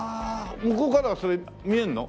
向こうからはそれ見えるの？